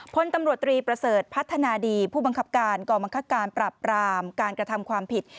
พลตำรวจตรีประเสริฐพัฒนาดีผู้บังคับการกองบังคับการปราบรามการกระทำความผิด